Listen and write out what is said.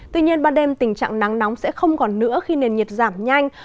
tuy nhiên ban đêm tình trạng nắng nóng sẽ không còn nữa khi nền nhiệt giảm nhanh